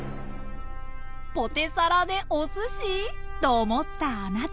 ポテサラでおすし？と思ったあなた。